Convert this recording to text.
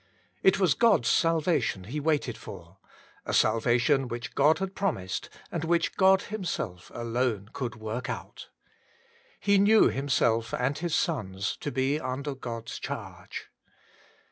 It was God's salvation he waited for; a salvation which God had promised and which God Himself alone could work out. He knew himself and his sons to be under God's charge.